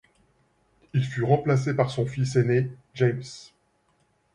Il fut remplacé par son fils aîné, James.